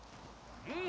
うん！